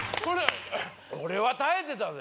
俺は耐えてたぜ？